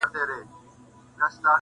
د ټولنې اصلاح د هر وګړي مسؤولیت دی.